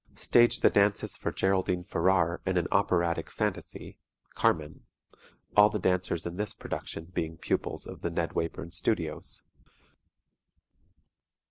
Staged the dances for Geraldine Farrar in an Operatic Fantasie "Carmen" (all the dancers in this production being pupils of the Ned Wayburn Studios).